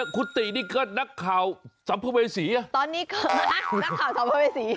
คุณตินี่ก็นักข่าวสัมภเวษีตอนนี้เกิดนะนักข่าวสัมภเวษี